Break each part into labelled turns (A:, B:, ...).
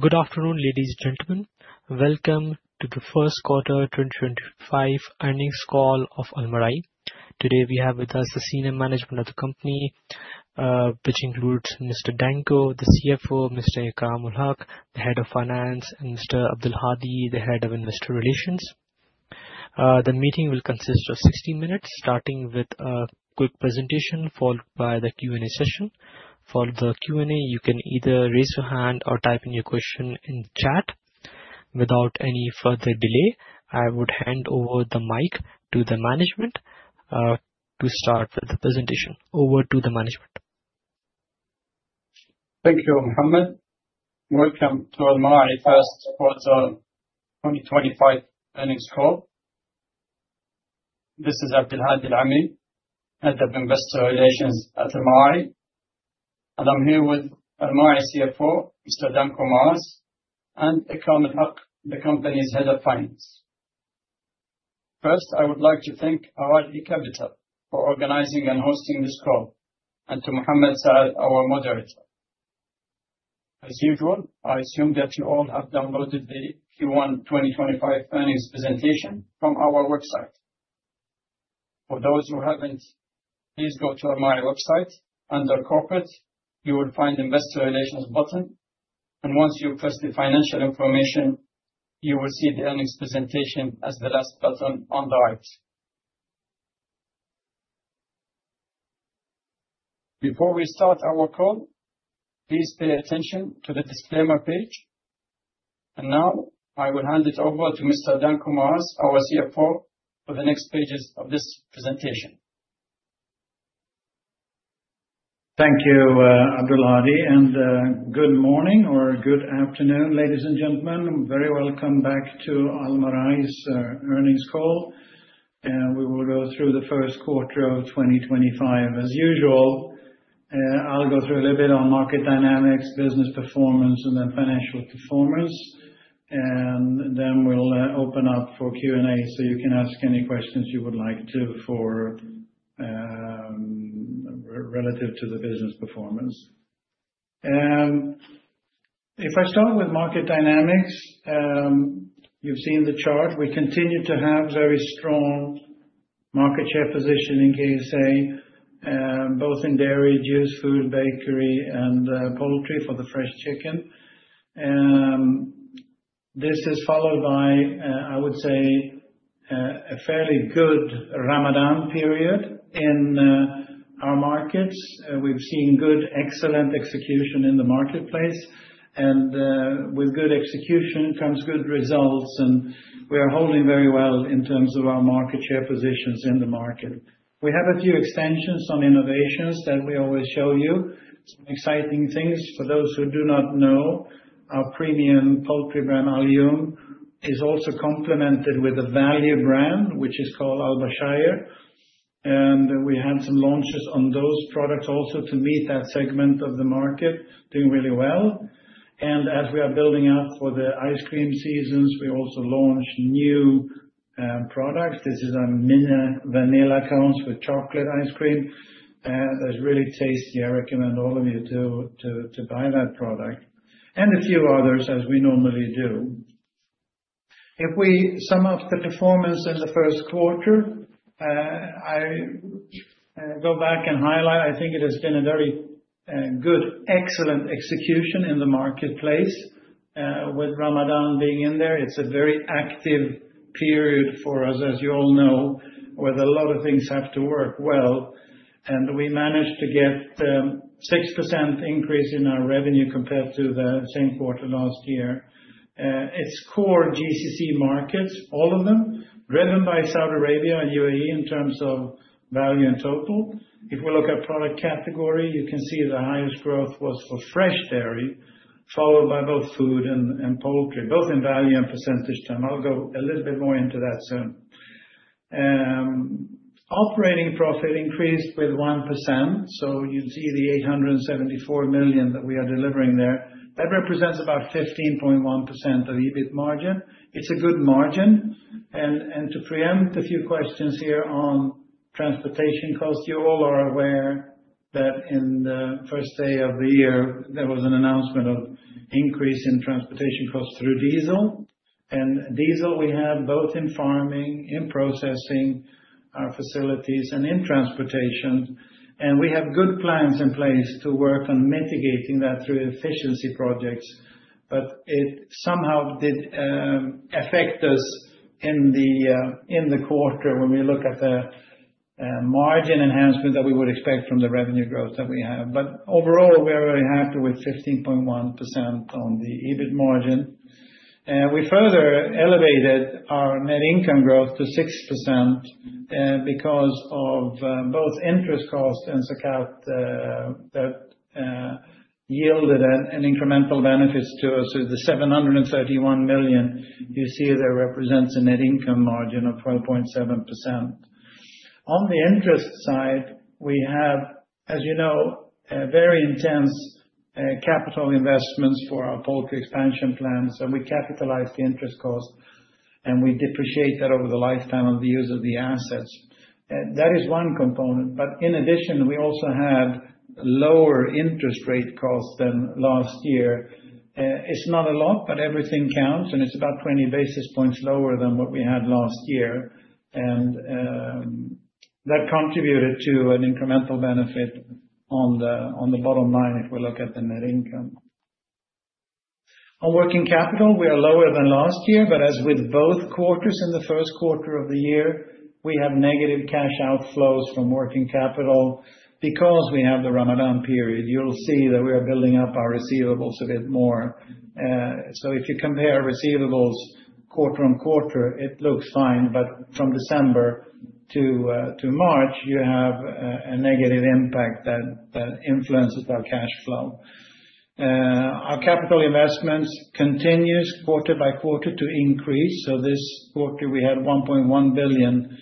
A: Good afternoon, ladies and gentlemen. Welcome to the first quarter 2025 earnings call of Almarai. Today we have with us the senior management of the company, which includes Mr. Danko, the CFO; Mr. Ikram UlHaque, the Head of Finance; and Mr. Abdulhadi, the Head of Investor Relations. The meeting will consist of 60 minutes, starting with a quick presentation followed by the Q&A session. For the Q&A, you can either raise your hand or type in your question in the chat. Without any further delay, I would hand over the mic to the management to start with the presentation. Over to the management.
B: Thank you, Muhammad. Welcome to Almarai first quarter 2025 earnings call. This is Abdulhadi Alamri, Head of Investor Relations at Almarai, and I'm here with Almarai CFO, Mr. Danko Maras, and Ikram UlHaque, the company's Head of Finance. First, I would like to thank Al Rajhi Capital for organizing and hosting this call, and to Muhammad Saad, our moderator. As usual, I assume that you all have downloaded the Q1 2025 earnings presentation from our website. For those who haven't, please go to Almarai website. Under Corporate, you will find the Investor Relations button, and once you press the financial information, you will see the earnings presentation as the last button on the right. Before we start our call, please pay attention to the disclaimer page, and now I will hand it over to Mr. Danko Maras, our CFO, for the next pages of this presentation.
C: Thank you, Abdulhadi. Good morning or good afternoon, ladies and gentlemen. Very welcome back to Almarai's earnings call. We will go through the first quarter of 2025 as usual. I'll go through a little bit on market dynamics, business performance, and then financial performance, and then we'll open up for Q&A so you can ask any questions you would like to for, relative to the business performance. If I start with market dynamics, you've seen the chart. We continue to have very strong market share position in KSA, both in dairy, juice, food, bakery, and poultry for the fresh chicken. This is followed by, I would say, a fairly good Ramadan period in our markets. We've seen good, excellent execution in the marketplace, and with good execution comes good results, and we are holding very well in terms of our market share positions in the market. We have a few extensions on innovations that we always show you. Some exciting things, for those who do not know, our premium poultry brand, ALYOUM, is also complemented with a value brand, which is called Al-Bashayr. We had some launches on those products also to meet that segment of the market, doing really well. As we are building up for the ice cream seasons, we also launch new products. This is a mini vanilla cones with chocolate ice cream. It is really tasty. I recommend all of you to buy that product and a few others, as we normally do. If we sum up the performance in the first quarter, I go back and highlight, I think it has been a very good, excellent execution in the marketplace. With Ramadan being in there, it's a very active period for us, as you all know, where a lot of things have to work well. We managed to get a 6% increase in our revenue compared to the same quarter last year. Its core GCC markets, all of them, driven by Saudi Arabia and U.A.E. in terms of value and total. If we look at product category, you can see the highest growth was for fresh dairy, followed by both food and poultry, both in value and percentage term. I'll go a little bit more into that soon. Operating profit increased with 1%, so you'd see the 874 million that we are delivering there. That represents about 15.1% of EBIT margin. It's a good margin. To preempt a few questions here on transportation costs, you all are aware that in the first day of the year, there was an announcement of an increase in transportation costs through diesel. Diesel we have both in farming, in processing our facilities, and in transportation. We have good plans in place to work on mitigating that through efficiency projects, but it somehow did affect us in the quarter when we look at the margin enhancement that we would expect from the revenue growth that we have. Overall, we're very happy with 15.1% on the EBIT margin. We further elevated our net income growth to 6%, because of both interest costs and Zakat, that yielded incremental benefits to us through the 731 million. You see that represents a net income margin of 12.7%. On the interest side, we have, as you know, very intense capital investments for our poultry expansion plans, and we capitalize the interest cost, and we depreciate that over the lifetime of the use of the assets. That is one component, but in addition, we also had lower interest rate costs than last year. It's not a lot, but everything counts, and it's about 20 basis points lower than what we had last year. That contributed to an incremental benefit on the bottom line if we look at the net income. On working capital, we are lower than last year, but as with both quarters in the first quarter of the year, we have negative cash outflows from working capital because we have the Ramadan period. You'll see that we are building up our receivables a bit more. If you compare receivables quarter on quarter, it looks fine, but from December to March, you have a negative impact that influences our cash flow. Our capital investments continue quarter by quarter to increase. This quarter, we had 1.1 billion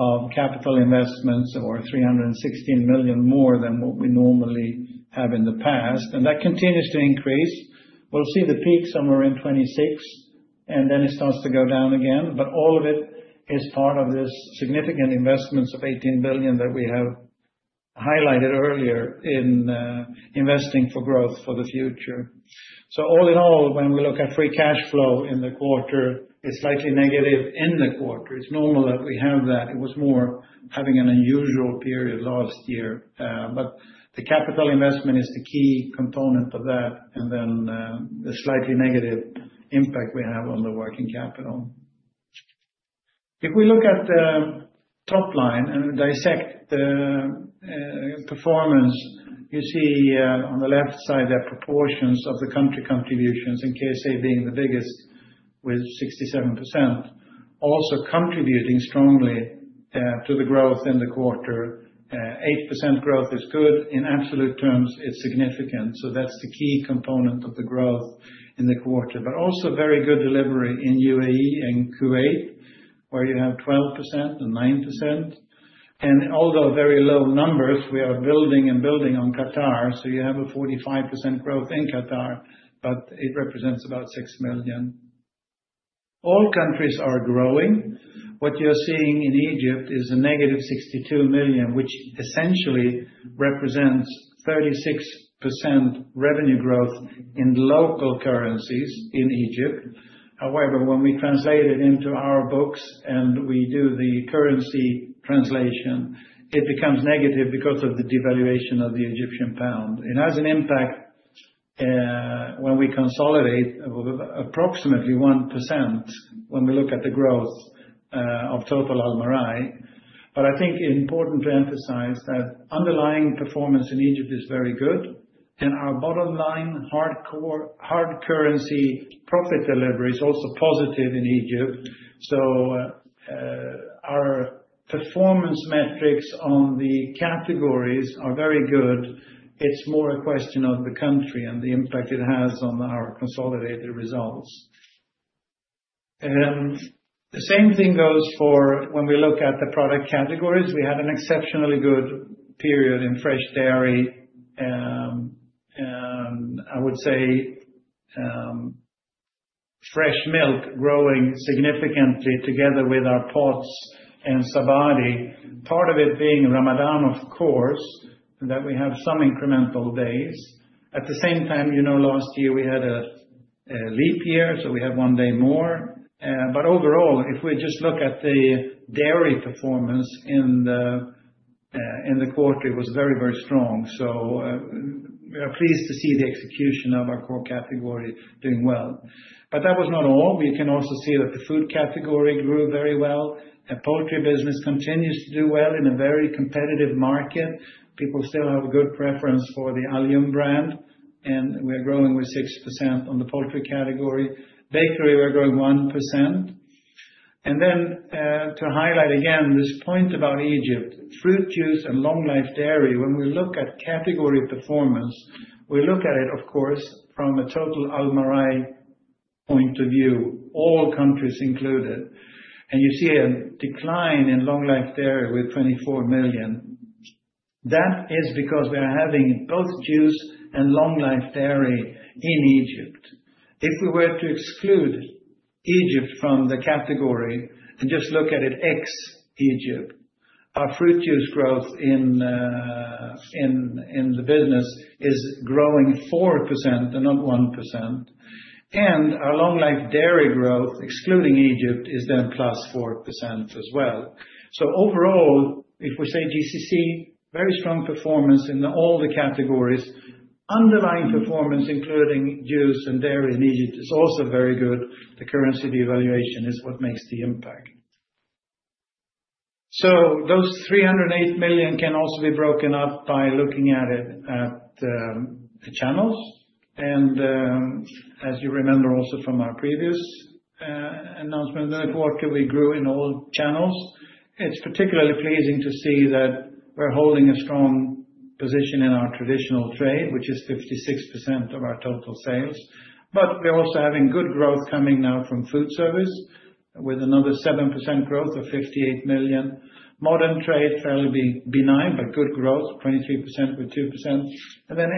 C: of capital investments or 316 million more than what we normally have in the past, and that continues to increase. We'll see the peak somewhere in 2026, and then it starts to go down again, but all of it is part of this significant investment of 18 billion that we have highlighted earlier in investing for growth for the future. All in all, when we look at free cash flow in the quarter, it's slightly negative in the quarter. It's normal that we have that. It was more having an unusual period last year, but the capital investment is the key component of that, and then, the slightly negative impact we have on the working capital. If we look at the top line and dissect the performance, you see, on the left side there are proportions of the country contributions, and KSA being the biggest with 67%, also contributing strongly to the growth in the quarter. 8% growth is good. In absolute terms, it's significant. That is the key component of the growth in the quarter, also very good delivery in U.A.E and Kuwait, where you have 12% and 9%. Although very low numbers, we are building and building on Qatar, so you have a 45% growth in Qatar, but it represents about 6 million. All countries are growing. What you're seeing in Egypt is a -62 million, which essentially represents 36% revenue growth in local currencies in Egypt. However, when we translate it into our books and we do the currency translation, it becomes negative because of the devaluation of the Egyptian pound. It has an impact, when we consolidate, of approximately 1% when we look at the growth of total Almarai. I think it's important to emphasize that underlying performance in Egypt is very good, and our bottom line hardcore, hard currency profit delivery is also positive in Egypt. Our performance metrics on the categories are very good. It's more a question of the country and the impact it has on our consolidated results. The same thing goes for when we look at the product categories. We had an exceptionally good period in fresh dairy, and I would say, fresh milk growing significantly together with our pots and sabadi, part of it being Ramadan, of course, that we have some incremental days. At the same time, you know, last year we had a leap year, so we have one day more. Overall, if we just look at the dairy performance in the quarter, it was very, very strong. We are pleased to see the execution of our core category doing well. That was not all. We can also see that the food category grew very well. The poultry business continues to do well in a very competitive market. People still have a good preference for the ALYOUM brand, and we are growing with 6% on the poultry category. Bakery, we're growing 1%. To highlight again this point about Egypt, fruit, juice, and long-life dairy, when we look at category performance, we look at it, of course, from a total Almarai point of view, all countries included. You see a decline in long-life dairy with 24 million. That is because we are having both juice and long-life dairy in Egypt. If we were to exclude Egypt from the category and just look at it ex-Egypt, our fruit, juice growth in the business is growing 4% and not 1%. Our long-life dairy growth, excluding Egypt, is then +4% as well. Overall, if we say GCC, very strong performance in all the categories, underlying performance, including juice and dairy in Egypt, is also very good. The currency devaluation is what makes the impact. Those 308 million can also be broken up by looking at it at the channels. As you remember also from our previous announcement in the quarter, we grew in all channels. It is particularly pleasing to see that we are holding a strong position in our traditional trade, which is 56% of our total sales. We are also having good growth coming now from food service with another 7% growth of 58 million. Modern trade is fairly benign, but good growth, 23% with 2%.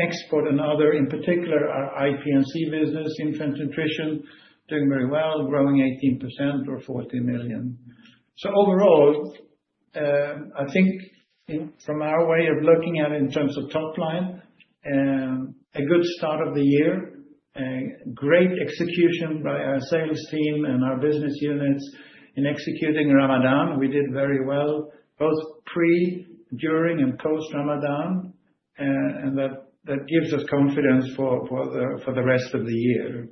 C: Export and other, in particular our IPNC business, infant nutrition, are doing very well, growing 18% or 40 million. Overall, I think from our way of looking at it in terms of top line, it is a good start of the year, great execution by our sales team and our business units in executing Ramadan. We did very well both pre, during, and post-Ramadan, and that gives us confidence for the rest of the year.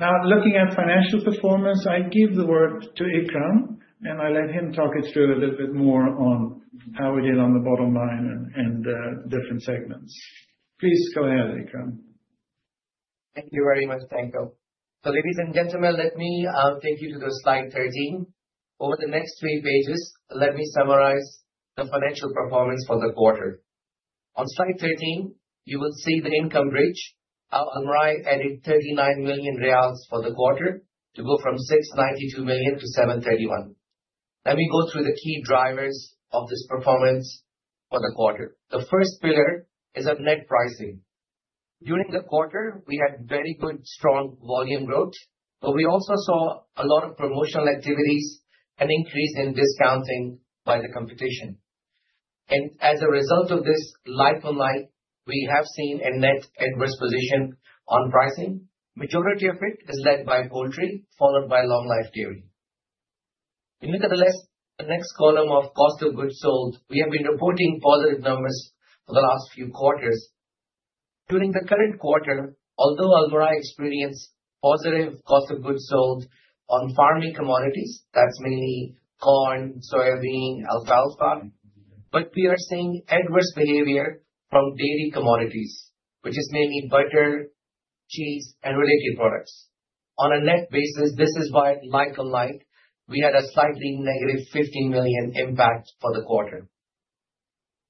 C: Now, looking at financial performance, I give the word to Ikram, and I'll let him talk it through a little bit more on how we did on the bottom line and different segments. Please go ahead, Ikram.
D: Thank you very much, Danko. So ladies and gentlemen, let me take you to slide 13. Over the next three pages, let me summarize the financial performance for the quarter. On slide 13, you will see the income bridge. Our Almarai added SAR 39 million for the quarter to go from 692 million to 731 million. Let me go through the key drivers of this performance for the quarter. The first pillar is of net pricing. During the quarter, we had very good, strong volume growth, but we also saw a lot of promotional activities and increase in discounting by the competition. As a result of this, like on like, we have seen a net adverse position on pricing. Majority of it is led by poultry, followed by long-life dairy. We look at the next column of cost of goods sold. We have been reporting positive numbers for the last few quarters. During the current quarter, although Almarai experienced positive cost of goods sold on farming commodities, that's mainly corn, soybean, alfalfa, we are seeing adverse behavior from dairy commodities, which is mainly butter, cheese, and related products. On a net basis, this is why like on like, we had a slightly negative 15 million impact for the quarter.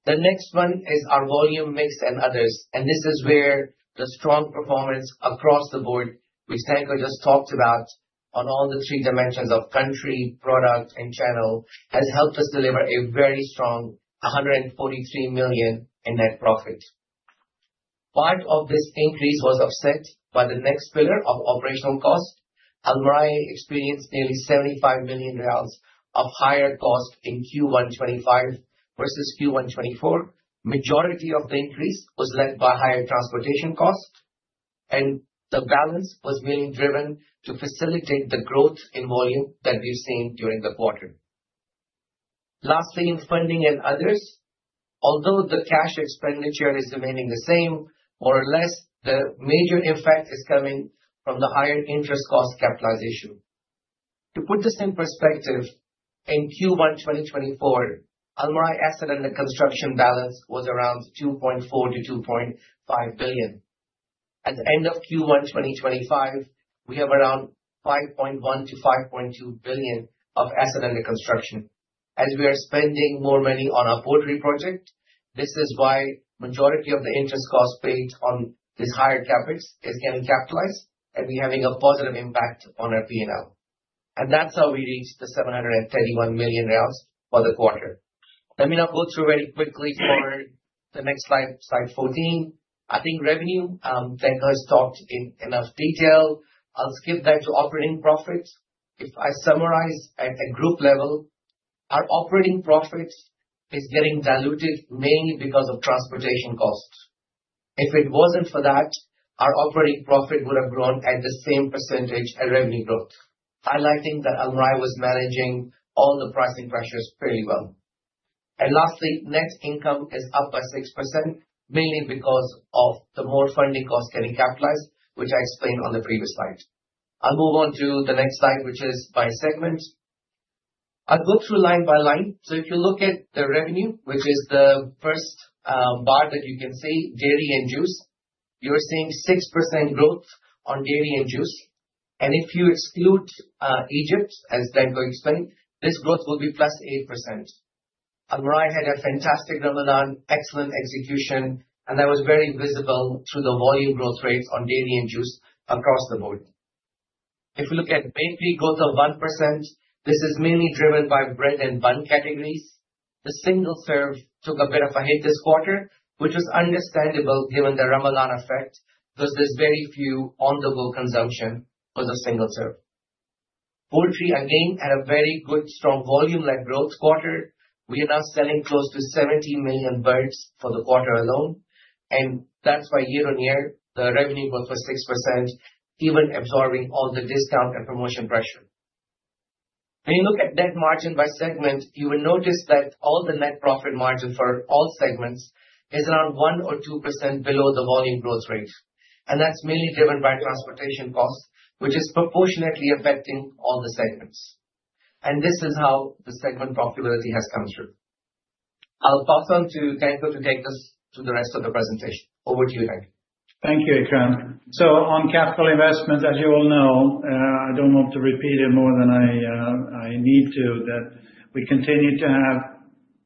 D: The next one is our volume mix and others, and this is where the strong performance across the board, which Danko just talked about on all the three dimensions of country, product, and channel, has helped us deliver a very strong 143 million in net profit. Part of this increase was offset by the next pillar of operational cost. Almarai experienced nearly 75 million riyals of higher cost in Q1 2025 versus Q1 2024. Majority of the increase was led by higher transportation cost, and the balance was mainly driven to facilitate the growth in volume that we've seen during the quarter. Lastly, in funding and others, although the cash expenditure is remaining the same, more or less, the major impact is coming from the higher interest cost capitalization. To put this in perspective, in Q1 2024, Almarai asset and the construction balance was around 2.4 billion-2.5 billion. At the end of Q1 2025, we have around 5.1 billion-5.2 billion of asset and the construction. As we are spending more money on our poultry project, this is why majority of the interest cost paid on these higher CapEx is getting capitalized, and we are having a positive impact on our P&L. That is how we reached the 731 million for the quarter. Let me now go through very quickly for the next slide, slide 14. I think revenue, Danko has talked in enough detail. I will skip that to operating profits. If I summarize at a group level, our operating profit is getting diluted mainly because of transportation costs. If it was not for that, our operating profit would have grown at the same percentage as revenue growth, highlighting that Almarai was managing all the pricing pressures fairly well. Lastly, net income is up by 6%, mainly because of the more funding costs getting capitalized, which I explained on the previous slide. I'll move on to the next slide, which is by segment. I'll go through line by line. If you look at the revenue, which is the first bar that you can see, dairy and juice, you're seeing 6% growth on dairy and juice. If you exclude Egypt, as Danko explained, this growth will be +8%. Almarai had a fantastic Ramadan, excellent execution, and that was very visible through the volume growth rates on dairy and juice across the board. If we look at bakery growth of 1%, this is mainly driven by bread and bun categories. The single serve took a bit of a hit this quarter, which was understandable given the Ramadan effect because there's very few on-the-go consumption for the single serve. Poultry, again, had a very good, strong volume-like growth quarter. We are now selling close to 70 million birds for the quarter alone, and that's why year on year, the revenue growth was 6%, even absorbing all the discount and promotion pressure. When you look at net margin by segment, you will notice that all the net profit margin for all segments is around 1% or 2% below the volume growth rate, and that's mainly driven by transportation costs, which is proportionately affecting all the segments. This is how the segment profitability has come through. I'll pass on to Danko to take us to the rest of the presentation. Over to you, Danko.
C: Thank you, Ikram. On capital investments, as you all know, I don't want to repeat it more than I need to, that we continue to have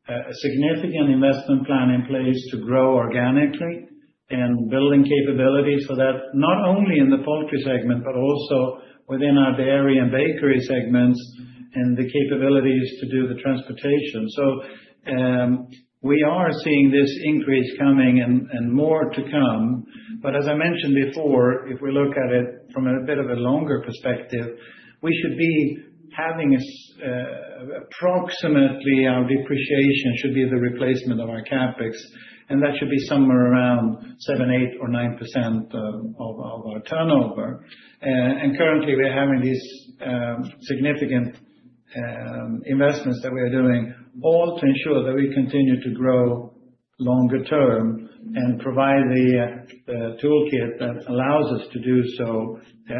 C: a significant investment plan in place to grow organically and building capabilities for that, not only in the poultry segment, but also within our dairy and bakery segments and the capabilities to do the transportation. We are seeing this increase coming and more to come. As I mentioned before, if we look at it from a bit of a longer perspective, we should be having approximately our depreciation should be the replacement of ourCapEx, and that should be somewhere around 7%, 8%, or 9% of our turnover. Currently we're having these significant investments that we are doing all to ensure that we continue to grow longer term and provide the toolkit that allows us to do so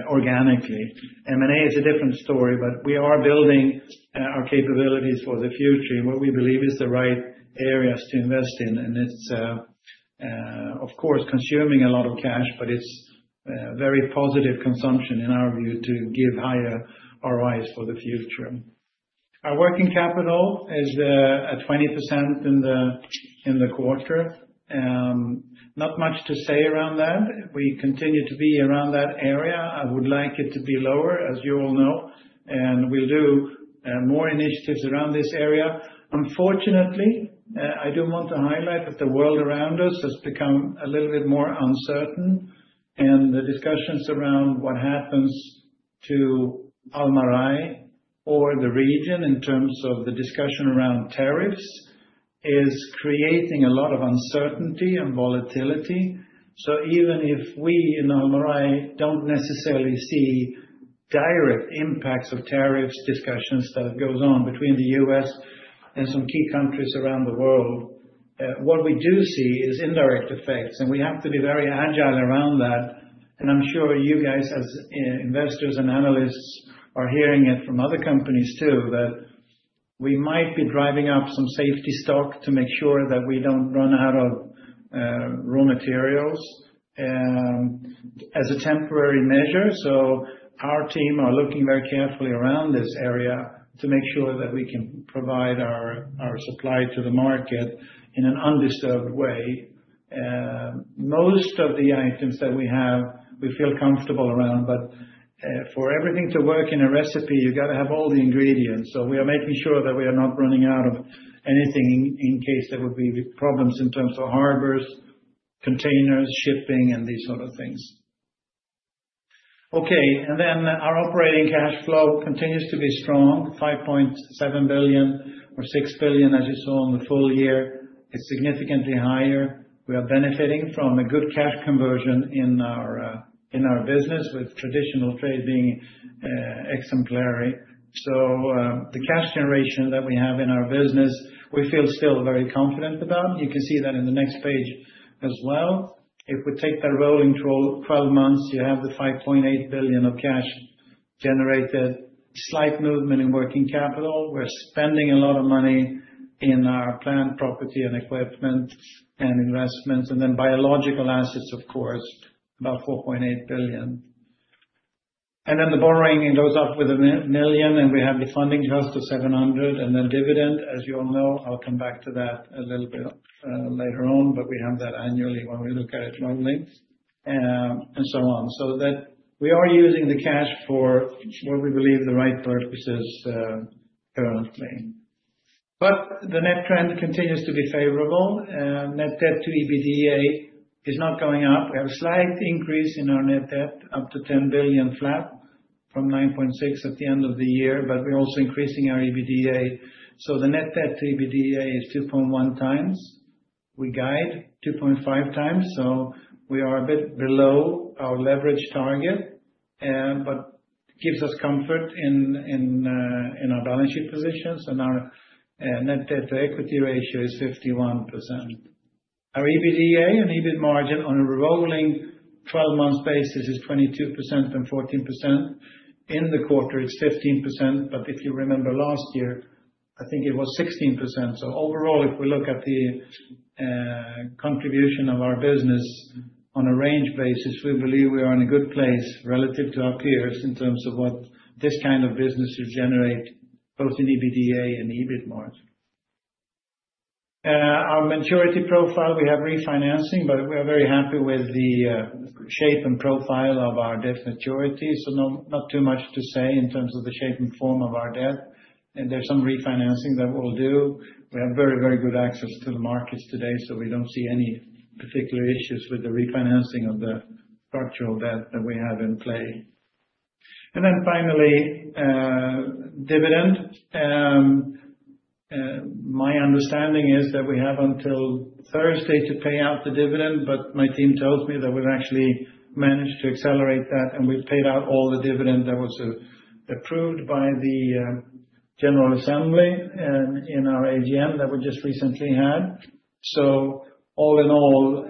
C: organically. M&A is a different story, but we are building our capabilities for the future in what we believe is the right areas to invest in. It is, of course, consuming a lot of cash, but it is very positive consumption in our view to give higher ROIs for the future. Our working capital is at 20% in the quarter. Not much to say around that. We continue to be around that area. I would like it to be lower, as you all know, and we'll do more initiatives around this area. Unfortunately, I do want to highlight that the world around us has become a little bit more uncertain, and the discussions around what happens to Almarai or the region in terms of the discussion around tariffs is creating a lot of uncertainty and volatility. Even if we in Almarai do not necessarily see direct impacts of tariffs, discussions that go on between the US and some key countries around the world, what we do see is indirect effects, and we have to be very agile around that. I am sure you guys as investors and analysts are hearing it from other companies too, that we might be driving up some safety stock to make sure that we do not run out of raw materials, as a temporary measure. Our team are looking very carefully around this area to make sure that we can provide our supply to the market in an undisturbed way. Most of the items that we have, we feel comfortable around, but for everything to work in a recipe, you've got to have all the ingredients. We are making sure that we are not running out of anything in case there would be problems in terms of harbors, containers, shipping, and these sort of things. Okay. Our operating cash flow continues to be strong, 5.7 billion or 6 billion, as you saw in the full year. It is significantly higher. We are benefiting from a good cash conversion in our business, with traditional trade being exemplary. The cash generation that we have in our business, we feel still very confident about. You can see that in the next page as well. If we take that rolling 12 months, you have the 5.8 billion of cash generated. Slight movement in working capital. We're spending a lot of money in our plant property and equipment and investments, and then biological assets, of course, about 4.8 billion. The borrowing goes up with a million, and we have the funding cost of 700, and then dividend, as you all know. I'll come back to that a little bit, later on, but we have that annually when we look at it long links, and so on. We are using the cash for what we believe the right purposes, currently. The net trend continues to be favorable. Net debt to EBITDA is not going up. We have a slight increase in our net debt up to 10 billion flat from 9.6 billion at the end of the year, but we're also increasing our EBITDA. So the net debt to EBITDA is 2.1x. We guide 2.5x. We are a bit below our leverage target, but it gives us comfort in our balance sheet positions. Our net debt to equity ratio is 51%. Our EBITDA and EBIT margin on a rolling 12-month basis is 22% and 14%. In the quarter, it's 15%, but if you remember last year, I think it was 16%. Overall, if we look at the contribution of our business on a range basis, we believe we are in a good place relative to our peers in terms of what this kind of business should generate both in EBITDA and EBIT margin. Our maturity profile, we have refinancing, but we are very happy with the shape and profile of our debt maturity. Not too much to say in terms of the shape and form of our debt, and there is some refinancing that we will do. We have very, very good access to the markets today, so we do not see any particular issues with the refinancing of the structural debt that we have in play. Finally, dividend, my understanding is that we have until Thursday to pay out the dividend, but my team tells me that we have actually managed to accelerate that, and we have paid out all the dividend that was approved by the General Assembly in our AGM that we just recently had. All in all,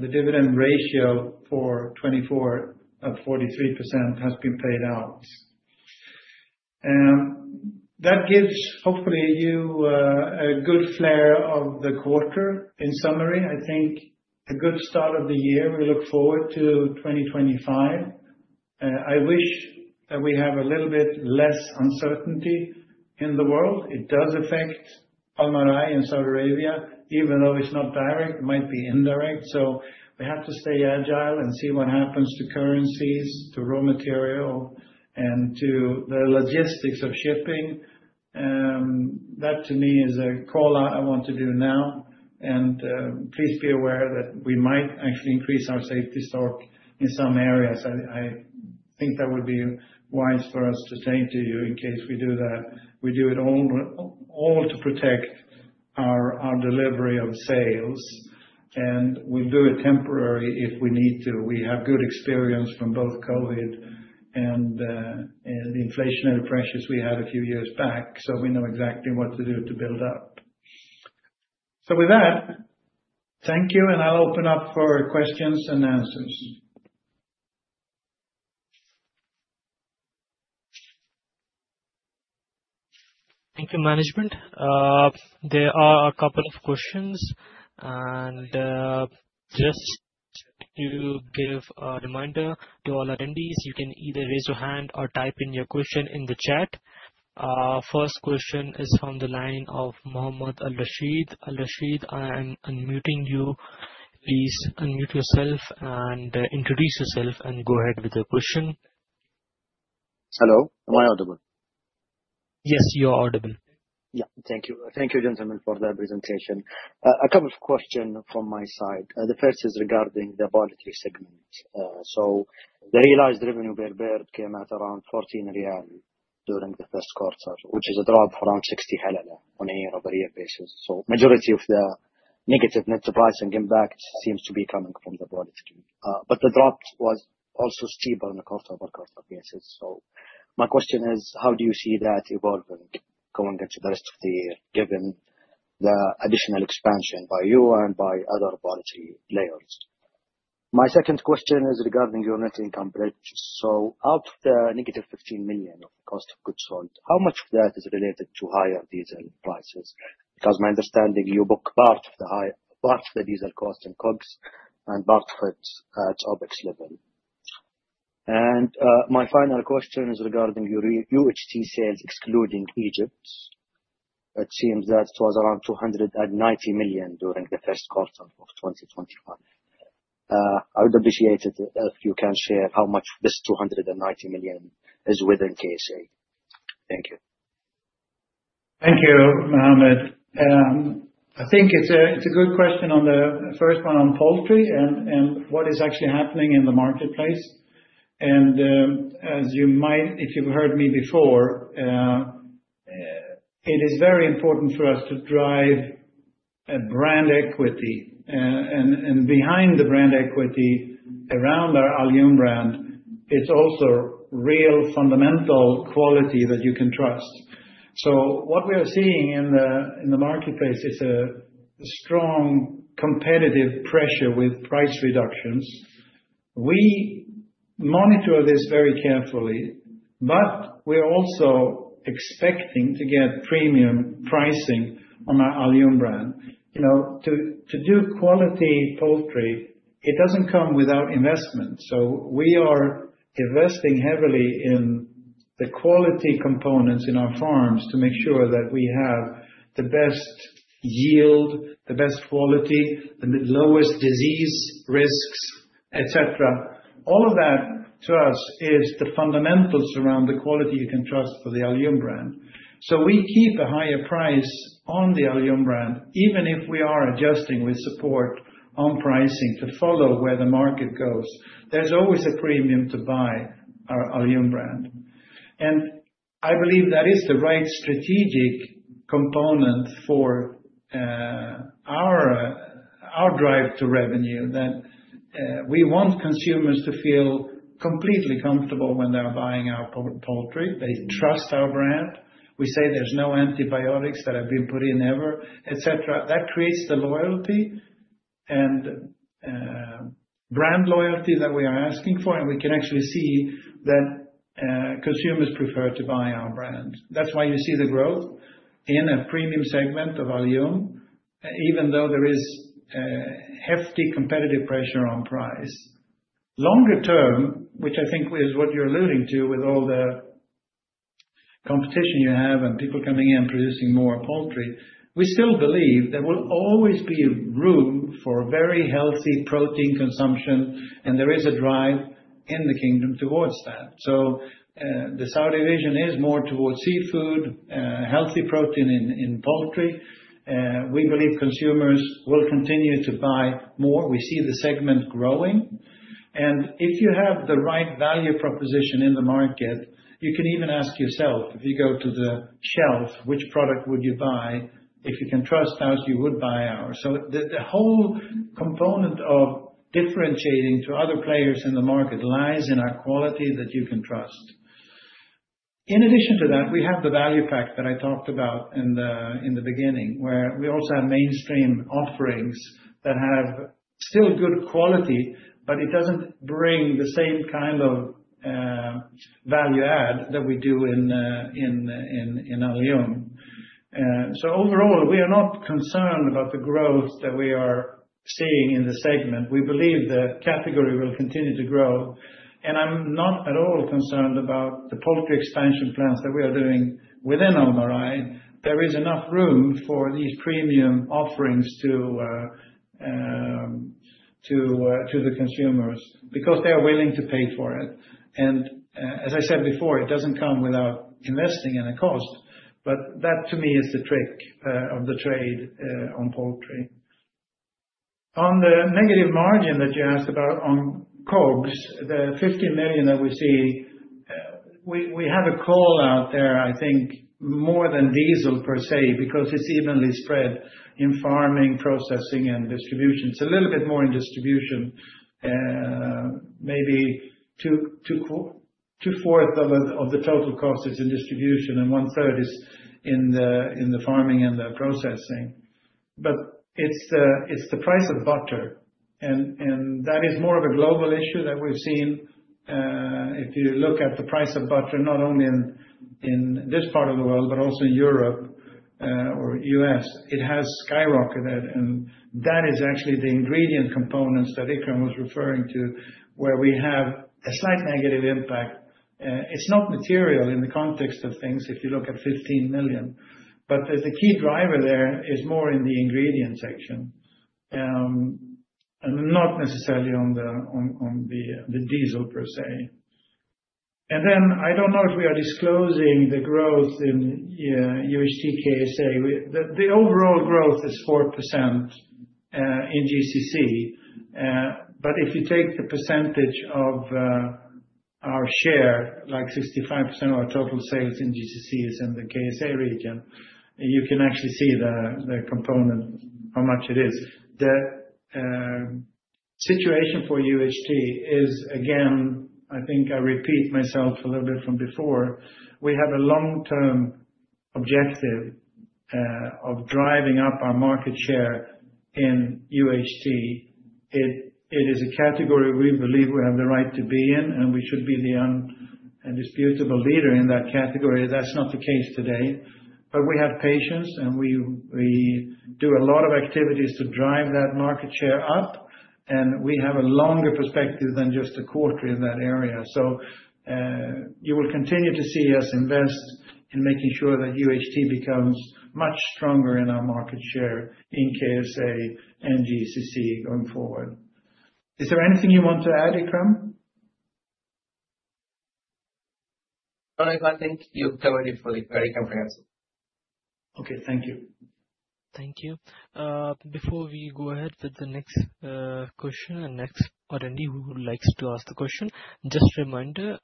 C: the dividend ratio for 2024 of 43% has been paid out. That gives, hopefully, you a good flair of the quarter. In summary, I think a good start of the year. We look forward to 2025. I wish that we have a little bit less uncertainty in the world. It does affect Almarai and Saudi Arabia, even though it's not direct, it might be indirect. We have to stay agile and see what happens to currencies, to raw material, and to the logistics of shipping. That to me is a call out I want to do now. Please be aware that we might actually increase our safety stock in some areas. I think that would be wise for us to say to you in case we do that. We do it all to protect our delivery of sales, and we'll do it temporary if we need to. We have good experience from both COVID and the inflationary pressures we had a few years back. We know exactly what to do to build up. With that, thank you, and I'll open up for questions and answers.
A: Thank you, management. There are a couple of questions, and just to give a reminder to all attendees, you can either raise your hand or type in your question in the chat. First question is from the line of Mohammed Al-Rashid. Al-Rashid, I am unmuting you. Please unmute yourself and introduce yourself and go ahead with the question.
E: Hello, am I audible? Yes, you are audible. Yeah, thank you. Thank you, gentlemen, for the presentation. A couple of questions from my side. The first is regarding the poultry segment. The realized revenue per bird came at around SAR 14 during the first quarter, which is a drop of around 60 halala on a year-over-year basis. The majority of the negative net pricing impact seems to be coming from the volatility. The drop was also steeper on a quarter-over-quarter basis. My question is, how do you see that evolving going into the rest of the year, given the additional expansion by you and by other poultry players? My second question is regarding your net income bridge. Out of the -15 million of the cost of goods sold, how much of that is related to higher diesel prices? My understanding is you book part of the diesel cost in COGS and part of it at the OpEx level. My final question is regarding your UHT sales, excluding Egypt. It seems that it was around 290 million during the first quarter of 2021. I would appreciate it if you can share how much this 290 million is within KSA. Thank you.
C: Thank you, Mohammed. I think it's a good question on the first one on poultry and what is actually happening in the marketplace. As you might, if you've heard me before, it is very important for us to drive brand equity. Behind the brand equity around our ALYOUM brand, it's also real fundamental quality that you can trust. What we are seeing in the marketplace is strong competitive pressure with price reductions. We monitor this very carefully, but we are also expecting to get premium pricing on our ALYOUM brand. You know, to do quality poultry, it doesn't come without investment. We are investing heavily in the quality components in our farms to make sure that we have the best yield, the best quality, the lowest disease risks, et cetera. All of that to us is the fundamentals around the quality you can trust for the ALYOUM brand. We keep a higher price on the ALYOUM brand, even if we are adjusting with support on pricing to follow where the market goes. There is always a premium to buy our ALYOUM brand. I believe that is the right strategic component for our drive to revenue, that we want consumers to feel completely comfortable when they are buying our poultry. They trust our brand. We say there are no antibiotics that have been put in ever, et cetera. That creates the loyalty and brand loyalty that we are asking for. We can actually see that consumers prefer to buy our brand. That's why you see the growth in a premium segment of ALYOUM, even though there is hefty competitive pressure on price longer term, which I think is what you're alluding to with all the competition you have and people coming in producing more poultry. We still believe there will always be room for very healthy protein consumption, and there is a drive in the kingdom towards that. The Saudi vision is more towards seafood, healthy protein in poultry. We believe consumers will continue to buy more. We see the segment growing. If you have the right value proposition in the market, you can even ask yourself, if you go to the shelf, which product would you buy? If you can trust us, you would buy ours. The whole component of differentiating to other players in the market lies in our quality that you can trust. In addition to that, we have the value pack that I talked about in the beginning, where we also have mainstream offerings that have still good quality, but it does not bring the same kind of value add that we do in ALYOUM. Overall, we are not concerned about the growth that we are seeing in the segment. We believe the category will continue to grow. I am not at all concerned about the poultry expansion plans that we are doing within Almarai. There is enough room for these premium offerings to the consumers because they are willing to pay for it. As I said before, it does not come without investing in a cost, but that to me is the trick of the trade on poultry. On the negative margin that you asked about on COGS, the 15 million that we see, we have a call out there, I think, more than diesel per se, because it's evenly spread in farming, processing, and distribution. It's a little bit more in distribution, maybe two fourths of the total cost is in distribution and one third is in the farming and the processing. It's the price of butter. That is more of a global issue that we've seen. If you look at the price of butter, not only in this part of the world, but also in Europe or U.S., it has skyrocketed. That is actually the ingredient components that Ikram was referring to, where we have a slight negative impact. It's not material in the context of things if you look at 15 million, but there's a key driver there is more in the ingredient section, and not necessarily on the diesel per se. I don't know if we are disclosing the growth in UHT KSA. The overall growth is 4% in GCC. If you take the percentage of our share, like 65% of our total sales in GCC is in the KSA region, you can actually see the component, how much it is. The situation for UHT is, again, I think I repeat myself a little bit from before. We have a long-term objective of driving up our market share in UHT. It is a category we believe we have the right to be in, and we should be the undisputable leader in that category. That's not the case today, but we have patience and we do a lot of activities to drive that market share up, and we have a longer perspective than just a quarter in that area. You will continue to see us invest in making sure that UHT becomes much stronger in our market share in KSA and GCC going forward. Is there anything you want to add, Ikram?
D: No, I think you've covered it fully, very comprehensive.
C: Okay, thank you.
A: Thank you. Before we go ahead with the next question and next attendee who likes to ask the question, just a reminder,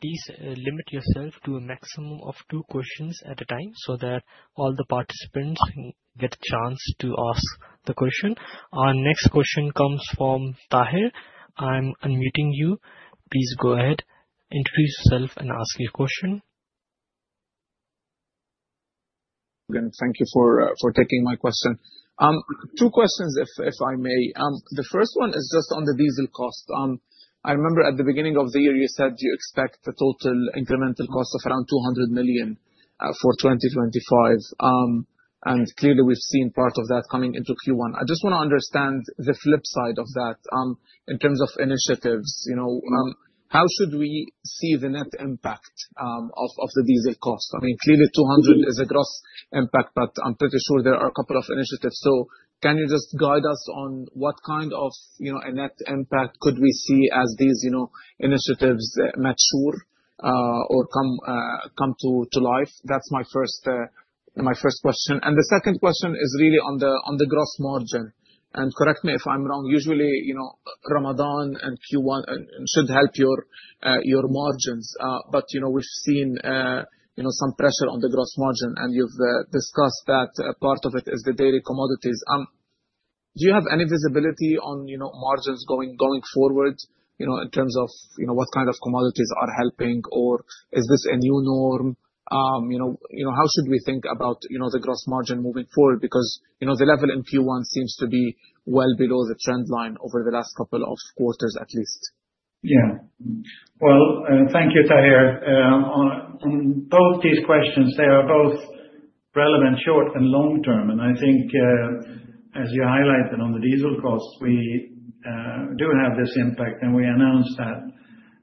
A: please limit yourself to a maximum of two questions at a time so that all the participants get a chance to ask the question. Our next question comes from Taher. I'm unmuting you. Please go ahead, introduce yourself and ask your question.
F: Again, thank you for taking my question. Two questions, if I may. The first one is just on the diesel cost. I remember at the beginning of the year you said you expect the total incremental cost of around 200 million for 2025. Clearly, we've seen part of that coming into Q1. I just want to understand the flip side of that, in terms of initiatives, you know, how should we see the net impact of the diesel cost? I mean, clearly 200 million is a gross impact, but I'm pretty sure there are a couple of initiatives. Can you just guide us on what kind of, you know, net impact could we see as these, you know, initiatives mature or come to life? That's my first question. The second question is really on the gross margin. Correct me if I'm wrong. Usually, you know, Ramadan and Q1 should help your margins. But, you know, we've seen, you know, some pressure on the gross margin and you've discussed that part of it is the dairy commodities. Do you have any visibility on, you know, margins going forward, you know, in terms of, you know, what kind of commodities are helping or is this a new norm? You know, you know, how should we think about, you know, the gross margin moving forward? Because, you know, the level in Q1 seems to be well below the trend line over the last couple of quarters at least.
C: Thank you, Taher. On both these questions, they are both relevant short and long term. I think, as you highlighted on the diesel cost, we do have this impact and we announced that.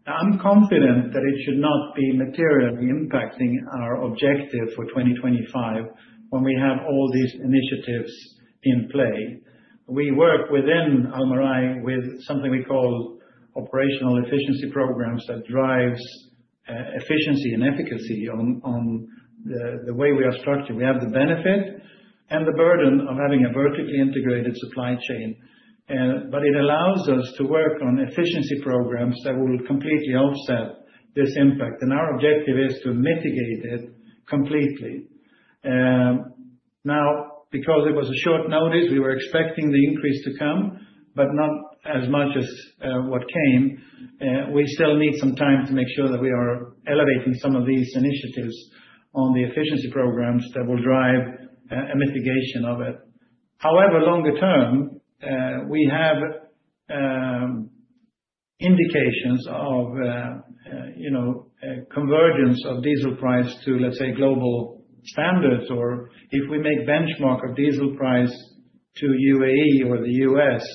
C: I'm confident that it should not be materially impacting our objective for 2025 when we have all these initiatives in play. We work within Almarai with something we call operational efficiency programs that drives efficiency and efficacy on the way we are structured. We have the benefit and the burden of having a vertically integrated supply chain, but it allows us to work on efficiency programs that will completely offset this impact. Our objective is to mitigate it completely. Now, because it was a short notice, we were expecting the increase to come, but not as much as what came. We still need some time to make sure that we are elevating some of these initiatives on the efficiency programs that will drive a mitigation of it. However, longer term, we have indications of, you know, convergence of diesel price to, let's say, global standards. If we make benchmark of diesel price to U.A.E. or the U.S.,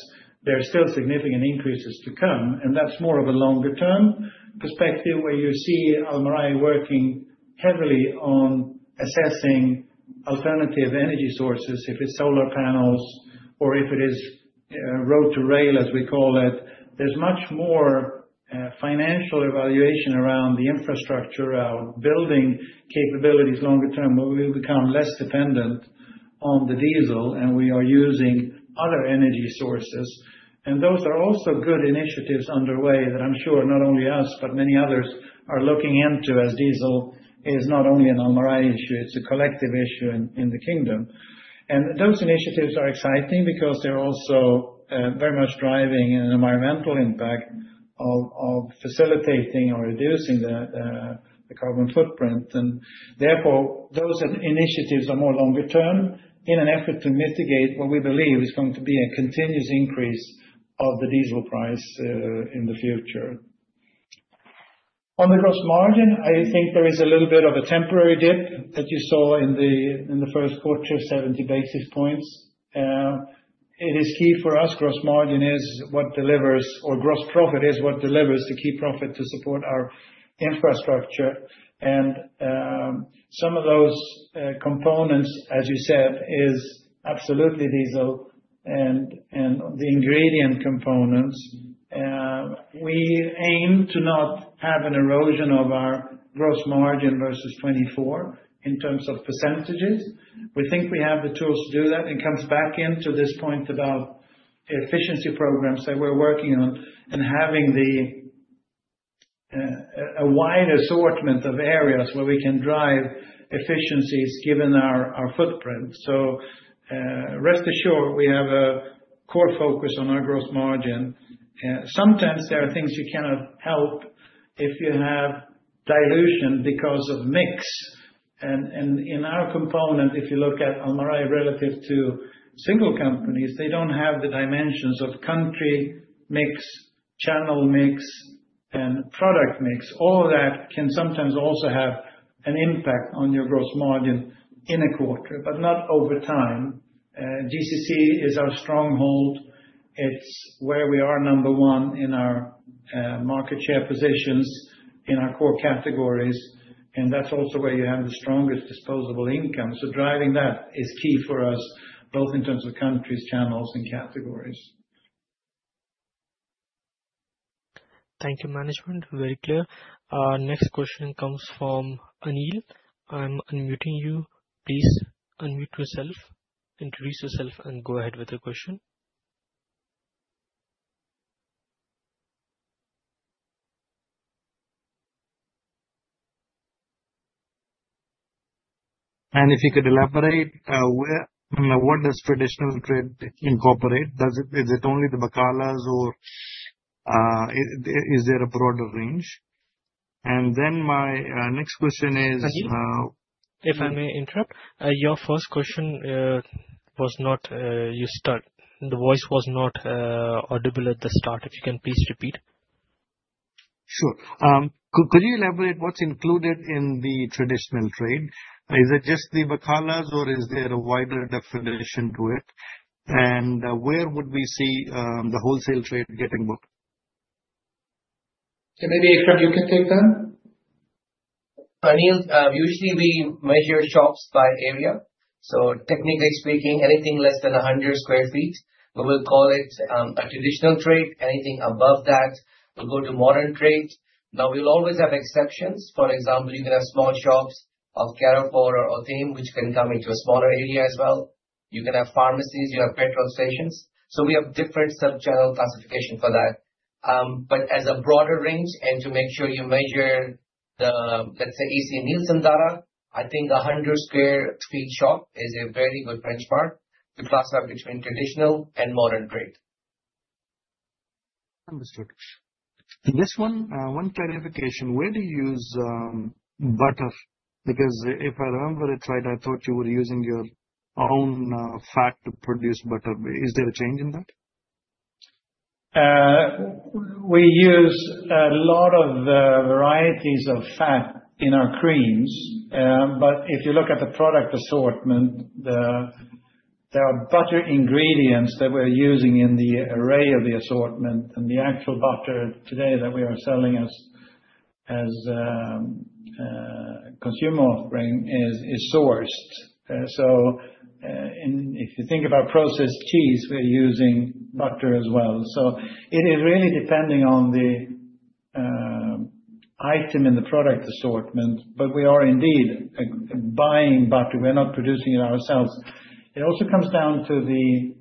C: there are still significant increases to come. That's more of a longer term perspective where you see Almarai working heavily on assessing alternative energy sources. If it's solar panels or if it is road to rail, as we call it, there's much more financial evaluation around the infrastructure, around building capabilities longer term, where we become less dependent on the diesel and we are using other energy sources. Those are also good initiatives underway that I'm sure not only us, but many others are looking into as diesel is not only an Almarai issue, it's a collective issue in the kingdom. Those initiatives are exciting because they're also very much driving an environmental impact of facilitating or reducing the carbon footprint. Therefore, those initiatives are more longer term in an effort to mitigate what we believe is going to be a continuous increase of the diesel price in the future. On the gross margin, I think there is a little bit of a temporary dip that you saw in the first quarter of 70 basis points. It is key for us. Gross margin is what delivers, or gross profit is what delivers the key profit to support our infrastructure. Some of those components, as you said, is absolutely diesel and the ingredient components. We aim to not have an erosion of our gross margin versus 2024 in terms of percentages. We think we have the tools to do that. It comes back into this point about efficiency programs that we're working on and having a wide assortment of areas where we can drive efficiencies given our footprint. Rest assured we have a core focus on our gross margin. Sometimes there are things you cannot help if you have dilution because of mix. In our component, if you look at Almarai relative to single companies, they do not have the dimensions of country mix, channel mix, and product mix. All of that can sometimes also have an impact on your gross margin in a quarter, but not over time. GCC is our stronghold. It is where we are number one in our market share positions in our core categories. That is also where you have the strongest disposable income. Driving that is key for us, both in terms of countries, channels, and categories.
F: Thank you, management.
A: Very clear. Next question comes from Anil. I'm unmuting you. Please unmute yourself, introduce yourself, and go ahead with the question.
G: If you could elaborate, where, what does traditional trade incorporate? Is it only the bakkalas or is there a broader range? My next question is, if I may interrupt, your first question was not, you start, the voice was not audible at the start. If you can please repeat. Sure. Could you elaborate what's included in the traditional trade? Is it just the bakkala or is there a wider definition to it? Where would we see the wholesale trade getting booked?
C: Maybe Ikram, you can take that.
D: Anil, usually we measure shops by area. Technically speaking, anything less than 100 sq ft, we will call it traditional trade. Anything above that, we'll go to modern trade. Now we'll always have exceptions. For example, you can have small shops of Carrefour orAl-Othaim, which can come into a smaller area as well. You can have pharmacies, you have petrol stations. We have different sub-channel classification for that. As a broader range, and to make sure you measure the, let's say, AC Nielsen data, I think a 100 sq ft shop is a very good benchmark to classify between traditional and modern trade.
G: Understood. This one, one clarification. Where do you use butter? Because if I remember it right, I thought you were using your own fat to produce butter. Is there a change in that?
C: We use a lot of varieties of fat in our creams. If you look at the product assortment, there are butter ingredients that we're using in the array of the assortment. The actual butter today that we are selling as consumer offering is sourced. If you think about processed cheese, we're using butter as well. It is really depending on the item in the product assortment, but we are indeed buying butter. We're not producing it ourselves. It also comes down to the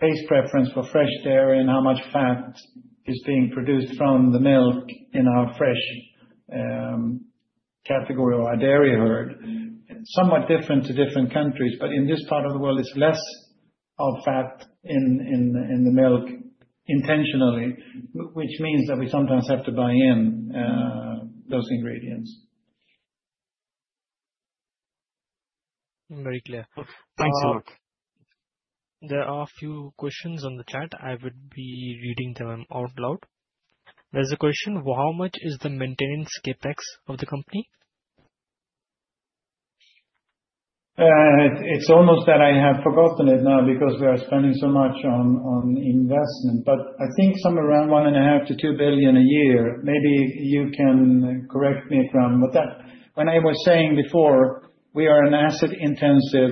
C: taste preference for fresh dairy and how much fat is being produced from the milk in our fresh category or our dairy herd. Somewhat different to different countries, but in this part of the world, it's less of fat in the milk intentionally, which means that we sometimes have to buy in those ingredients.
G: Very clear. Thanks a lot.
B: There are a few questions on the chat. I would be reading them out loud. There's a question. How much is the maintenance CapEx of the company?
C: It's almost that I have forgotten it now because we are spending so much on, on investment, but I think somewhere around 1.5 billion-2 billion a year. Maybe you can correct me, Ikram, but that when I was saying before, we are an asset intensive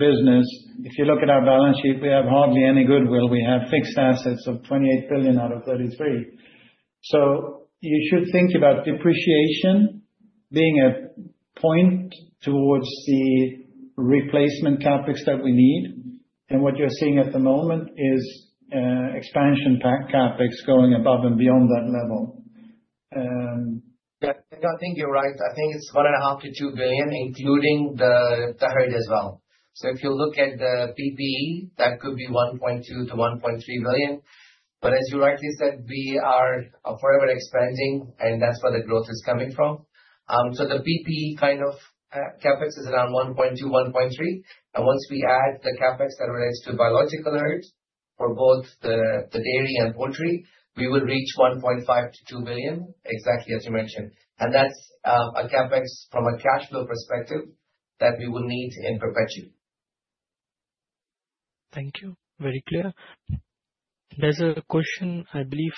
C: business. If you look at our balance sheet, we have hardly any goodwill. We have fixed assets of 28 billion out of 33 billion. You should think about depreciation being a point towards the replacement CapEx that we need. What you're seeing at the moment is expansion CapEx going above and beyond that level.
D: I think you're right. I think it's 1.5 billion-2 billion, including the herd as well. If you look at the PPE, that could be 1.2 billion-1.3 billion. As you rightly said, we are forever expanding and that's where the growth is coming from. The PPE kind of CapEx is around 1.2 billion-1.3 billion. Once we add theCapEx that relates to biological herd for both the dairy and poultry, we will reach 1.5 billion-2 billion, exactly as you mentioned. That is aCapEx from a cash flow perspective that we will need in perpetuity.
A: Thank you. Very clear. There is a question, I believe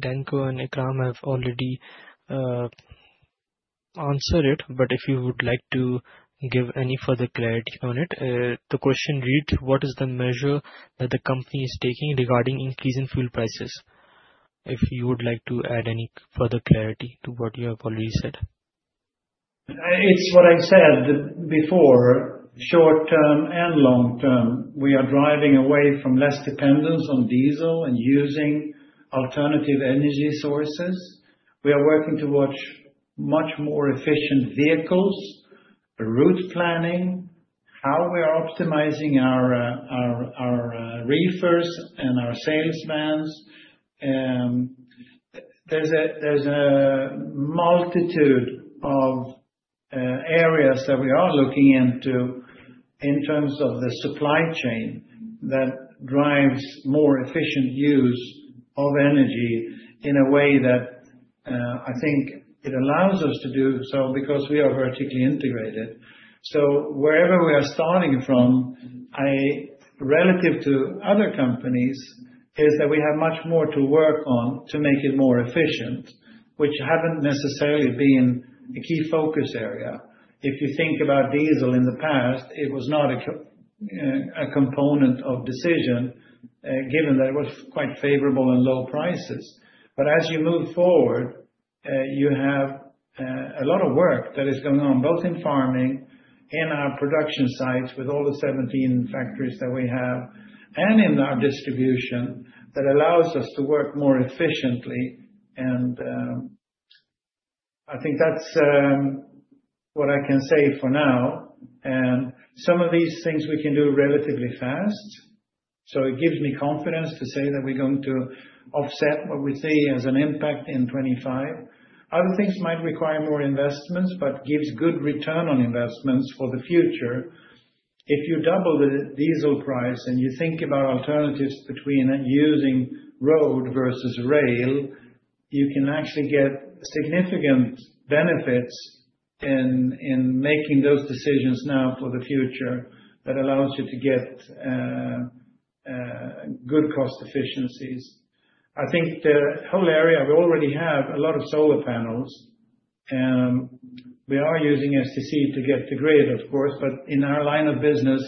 A: Danko and Ikram have already answered it, but if you would like to give any further clarity on it, the question reads, what is the measure that the company is taking regarding increase in fuel prices? If you would like to add any further clarity to what you have already said.
C: It is what I said before, short term and long term. We are driving away from less dependence on diesel and using alternative energy sources. We are working towards much more efficient vehicles, route planning, how we are optimizing our reefers and our salesmans. There's a multitude of areas that we are looking into in terms of the supply chain that drives more efficient use of energy in a way that I think it allows us to do so because we are vertically integrated. So wherever we are starting from, relative to other companies, is that we have much more to work on to make it more efficient, which haven't necessarily been a key focus area. If you think about diesel in the past, it was not a component of decision, given that it was quite favorable and low prices. As you move forward, you have a lot of work that is going on both in farming, in our production sites with all the 17 factories that we have, and in our distribution that allows us to work more efficiently. I think that's what I can say for now. Some of these things we can do relatively fast. It gives me confidence to say that we're going to offset what we see as an impact in 2025. Other things might require more investments, but give good return on investments for the future. If you double the diesel price and you think about alternatives between using road versus rail, you can actually get significant benefits in making those decisions now for the future that allows you to get good cost efficiencies. I think the whole area, we already have a lot of solar panels. We are using STC to get the grid, of course, but in our line of business,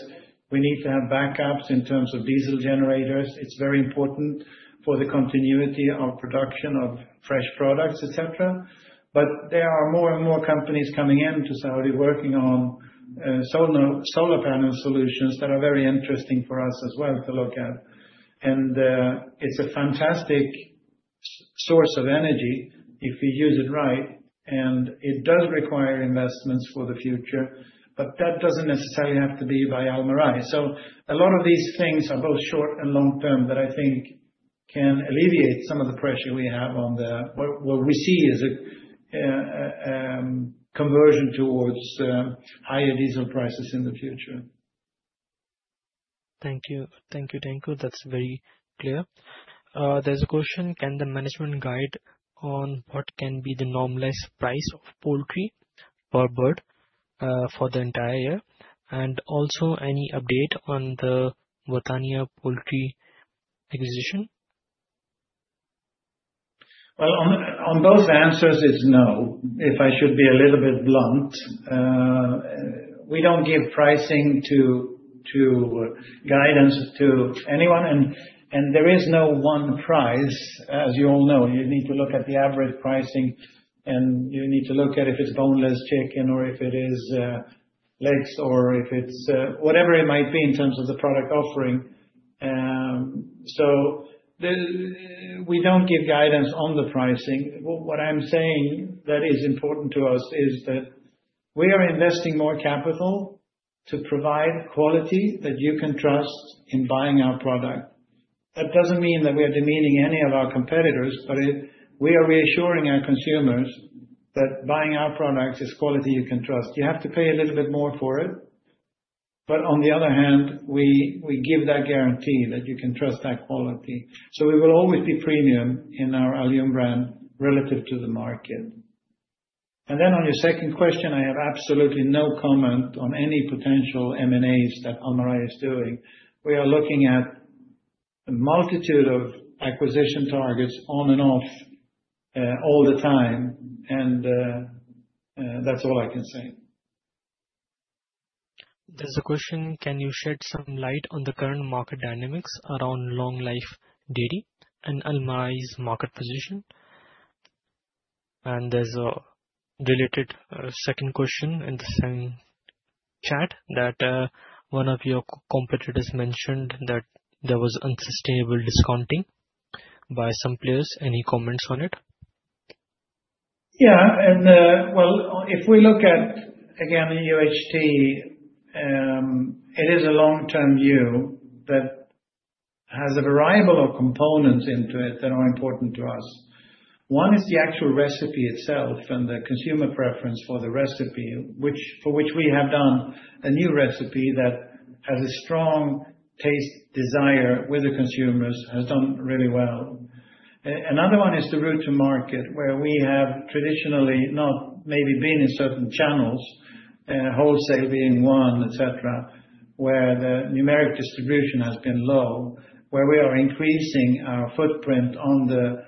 C: we need to have backups in terms of diesel generators. It's very important for the continuity of production of fresh products, et cetera. There are more and more companies coming into Saudi working on solar, solar panel solutions that are very interesting for us as well to look at. It's a fantastic source of energy if we use it right. It does require investments for the future, but that doesn't necessarily have to be by Almarai. A lot of these things are both short and long term that I think can alleviate some of the pressure we have on the, what we see is a conversion towards higher diesel prices in the future.
A: Thank you. Thank you, Danko. That's very clear. There's a question, can the management guide on what can be the normalized price of poultry per bird, for the entire year? And also any update on the Botania poultry acquisition?
C: On both answers is no. If I should be a little bit blunt, we do not give pricing guidance to anyone. There is no one price, as you all know. You need to look at the average pricing and you need to look at if it is boneless chicken or if it is legs or if it is whatever it might be in terms of the product offering. We do not give guidance on the pricing. What I am saying that is important to us is that we are investing more capital to provide quality that you can trust in buying our product. That doesn't mean that we are demeaning any of our competitors, but we are reassuring our consumers that buying our products is quality you can trust. You have to pay a little bit more for it. We give that guarantee that you can trust that quality. We will always be premium in our ALYOUM brand relative to the market. On your second question, I have absolutely no comment on any potential M&As that Almarai is doing. We are looking at a multitude of acquisition targets on and off, all the time. That's all I can say.
A: There's a question. Can you shed some light on the current market dynamics around long-life dairy and Almarai's market position? There is a related second question in the same chat that, one of your competitors mentioned that there was unsustainable discounting by some players. Any comments on it?
C: Yeah. If we look at, again, UHT, it is a long-term view that has a variable of components into it that are important to us. One is the actual recipe itself and the consumer preference for the recipe, for which we have done a new recipe that has a strong taste desire with the consumers, has done really well. Another one is the route to market where we have traditionally not maybe been in certain channels, wholesale being one, et cetera, where the numeric distribution has been low, where we are increasing our footprint on the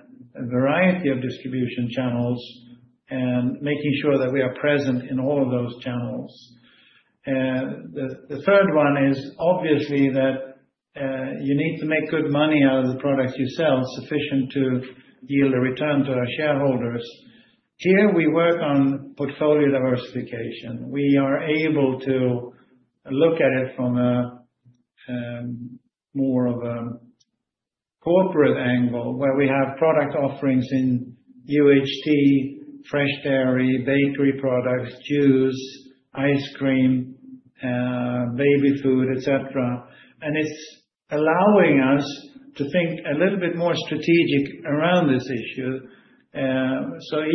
C: variety of distribution channels and making sure that we are present in all of those channels. The third one is obviously that you need to make good money out of the products you sell sufficient to yield a return to our shareholders. Here we work on portfolio diversification. We are able to look at it from more of a corporate angle where we have product offerings in UHT, fresh dairy, bakery products, juice, ice cream, baby food, et cetera. It's allowing us to think a little bit more strategic around this issue.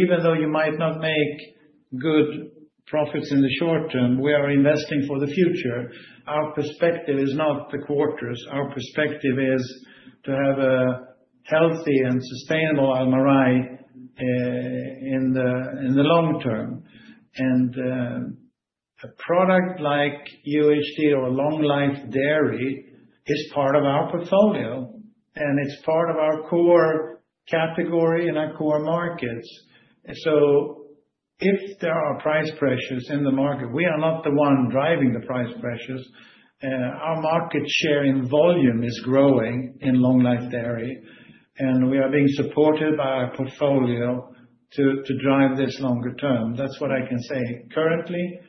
C: Even though you might not make good profits in the short term, we are investing for the future. Our perspective is not the quarters. Our perspective is to have a healthy and sustainable Almarai in the long term. A product like UHT or long life dairy is part of our portfolio and it's part of our core category and our core markets. If there are price pressures in the market, we are not the one driving the price pressures. Our market share in volume is growing in long life dairy and we are being supported by our portfolio to drive this longer term. That is what I can say currently.